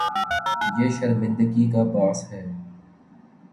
یہ شرمندگی کا باعث ہے۔